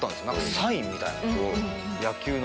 サインみたいな野球の。